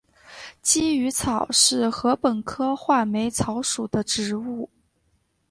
鲫鱼草是禾本科画眉草属的植物。